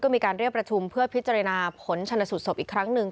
มีการเรียกประชุมเพื่อพิจารณาผลชนสูตรศพอีกครั้งหนึ่ง